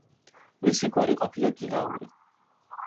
მისი გვარი ყოფილა გიგაური.